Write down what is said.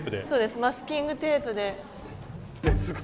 そうですマスキングテープで。